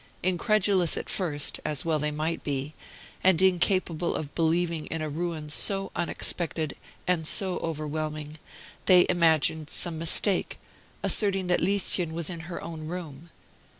Incredulous at first, as well they might be, and incapable of believing in a ruin so unexpected and so overwhelming, they imagined some mistake, asserting that Lieschen was in her own room.